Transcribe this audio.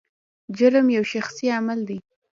جرم یو شخصي عمل دی.